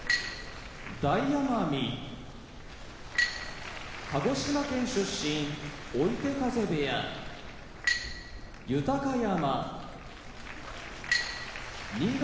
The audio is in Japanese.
大奄美鹿児島県出身追手風部屋豊山新潟県出身